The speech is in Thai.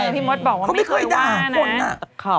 พี่มดบอกว่าเขาไม่เคยด่าคนอ่ะ